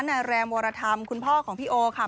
นายแรมวรธรรมคุณพ่อของพี่โอค่ะ